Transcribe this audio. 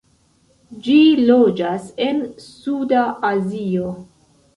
Ĝi loĝas en Suda Azio.